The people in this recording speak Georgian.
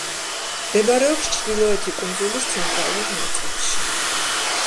მდებარეობს ჩრდილოეთი კუნძულის ცენტრალურ ნაწილში.